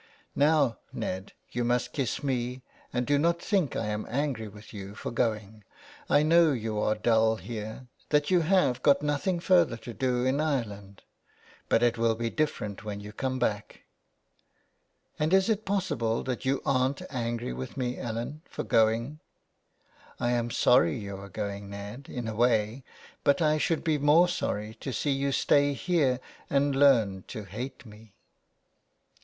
" Now, Ned, you must kiss me, and do not think I am angry with you for going. I know you are dull here, that you have got nothing further to do in Ireland, but it will be different when you come back." 392 THE WILD GOOSE. "And is it possible that you aren't angry with me, Ellen, for going ?"" I am sorry you are going, Ned — in a way, but I should be more sorry to see you stay here and learn to hate me.''